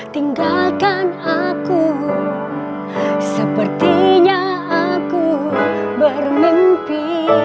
tinggalkan aku sepertinya aku bermimpi